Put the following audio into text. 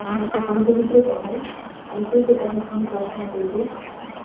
আমি দরিদ্র কমল, আমি কে যে তাঁহার স্নেহ প্রার্থনা করিব!